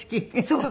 そう！